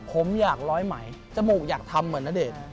ผมอยากร้อยไหมจมูกอยากทำเหมือนณเดชน์